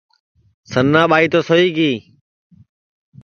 سننا ٻائی تو سوئی گی